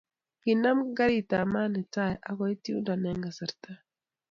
Kinam gariitab maat ne tai ak koit yundo eng kasarta.